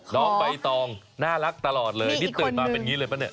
น้องใบตองน่ารักตลอดเลยนี่ตื่นมาเป็นอย่างนี้เลยปะเนี่ย